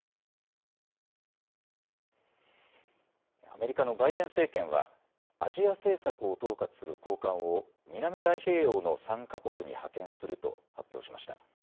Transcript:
アメリカのバイデン政権はアジア政策を統括する高官を南太平洋の３か国に派遣すると発表しました。